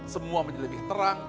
semua menjadi lebih terang